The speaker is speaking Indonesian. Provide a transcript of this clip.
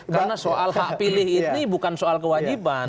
karena soal hak pilih ini bukan soal kewajiban